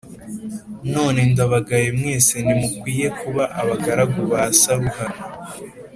None ndabagaye mwese Ntimukwiye kuba abagaragu ba Saruhara